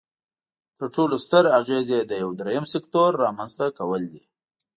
تر ټولو ستر اغیز یې د یو دریم سکتور رامینځ ته کول دي.